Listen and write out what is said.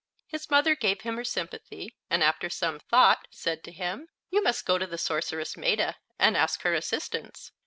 His mother gave him her sympathy, and after some thought, said to him: "You must go to the sorceress Maetta and ask her assistance.